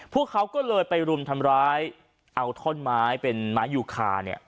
พวกเขาก็เลยไปรุมทำร้ายเอาท่อนไม้เป็นไม้ยูคาเนี่ย